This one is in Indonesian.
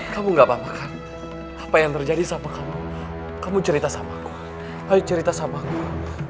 kamu gak apa apa kan apa yang terjadi sama kamu kamu cerita samaku ayo cerita sama gue